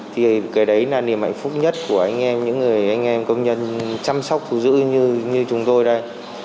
thì cái đấy là niềm hạnh phúc nhất của anh em những người anh em công nhân chăm sóc thú giữ như chúng tôi đây